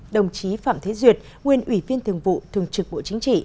đồng chí phạm thế duyệt nguyên ủy viên thường vụ thường trực bộ chính trị